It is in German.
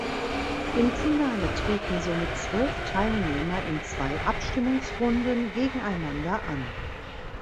Im Finale treten somit zwölf Teilnehmer in zwei Abstimmungsrunden gegeneinander an.